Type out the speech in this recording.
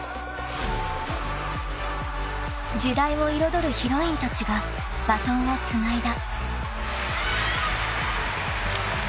［時代を彩るヒロインたちがバトンをつないだ］